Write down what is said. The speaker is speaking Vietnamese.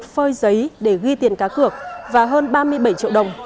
phơi giấy để ghi tiền cá cược và hơn ba mươi bảy triệu đồng